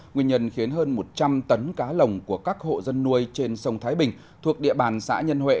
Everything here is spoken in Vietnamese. nguyên nhân khiến hơn một trăm linh tấn cá lồng của các hộ dân nuôi trên sông thái bình thuộc địa bàn xã nhân huệ